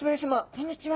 こんにちは。